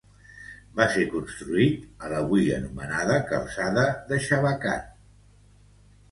Va ser construït a l'avui anomenada calçada de Chabacano.